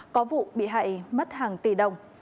có vụ bị hại mất hàng tỷ đồng